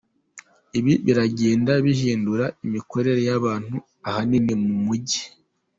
Ibi biragenda bihindura imikorere y’abantu ahanini mu mijyi.